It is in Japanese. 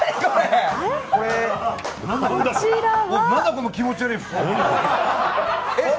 何だこの気持ち悪い服。